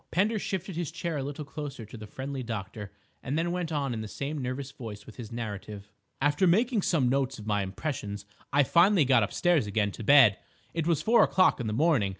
Pender shifted his chair a little closer to the friendly doctor and then went on in the same nervous voice with his narrative. "After making some notes of my impressions I finally got upstairs again to bed. It was four o'clock in the morning.